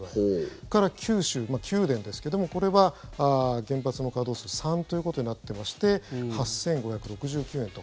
それから九州、九電ですけどもこれは原発の稼働数３ということになっていまして８５６９円と。